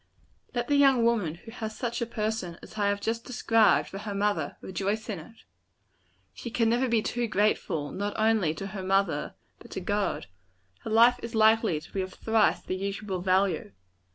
Let the young woman who has such a person as I have just described, for her mother, rejoice in it. She can never be too grateful, not only to her mother, but to God. Her life is likely to be of thrice the usual value.